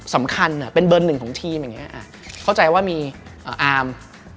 สำคัญเป็นเบอร์หนึ่งของทีมอย่างนี้เข้าใจว่ามีอาร์ม